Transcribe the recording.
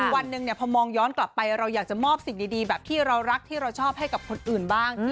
วันหนึ่งพอมองย้อนกลับไปเราอยากจะมอบสิ่งดีแบบที่เรารักที่เราชอบให้กับคนอื่นบ้าง